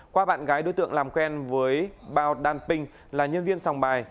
qua bạn gái đối tượng làm quen với bao dan ping là nhân viên sòng bài